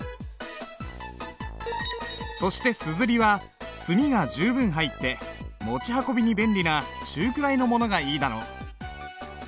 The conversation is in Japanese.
そして硯は墨が十分入って持ち運びに便利な中くらいのものがいいだろう。